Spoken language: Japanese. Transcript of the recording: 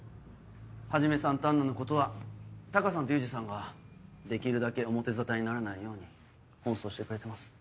始さんとアンナのことはタカさんとユージさんができるだけ表沙汰にならないように奔走してくれてます。